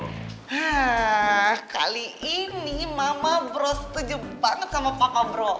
hah kali ini mama bro setuju banget sama pakak bro